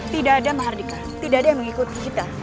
tidak ada mahardika tidak ada yang mengikuti kita